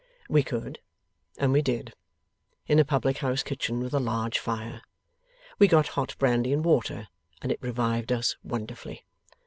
We could, and we did. In a public house kitchen with a large fire. We got hot brandy and water, and it revived us wonderfully.